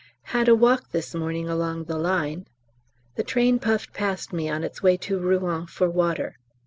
Had a walk this morning along the line. The train puffed past me on its way to Rouen for water.